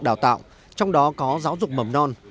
đào tạo trong đó có giáo dục mầm non